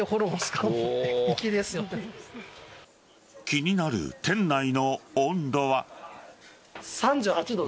気になる店内の温度は。